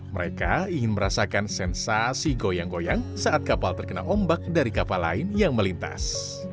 mereka ingin merasakan sensasi goyang goyang saat kapal terkena ombak dari kapal lain yang melintas